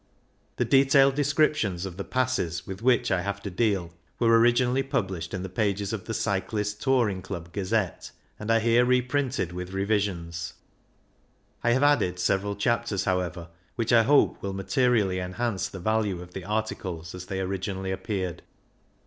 ^ The detailed descriptions of the Passes PREFACE xvii with which I have to deal were originally published in the pages of the Cyclists' Touring Club Gazette^ and are here re printed with revisions. I have added several chapters, however, which I hope will materially enhance the value of the articles as they originally appeared.